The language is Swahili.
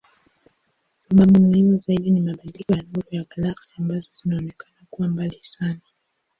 Sababu muhimu zaidi ni mabadiliko ya nuru ya galaksi ambazo zinaonekana kuwa mbali sana.